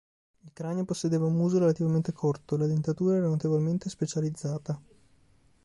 Il cranio possedeva un muso relativamente corto, e la dentatura era notevolmente specializzata.